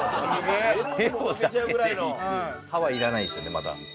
歯はいらないですねまだ。